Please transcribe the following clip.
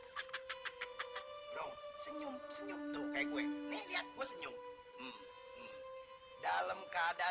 sekarang lagi diuji melukoknya nenek siapa tahu desi ratnalisti recreational orang kaya seumpasnya dia meninggal ya ini baru seumpatan labuh itu lewat hari saja